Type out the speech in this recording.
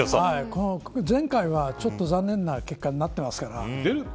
前回はちょっと残念な結果になってますから。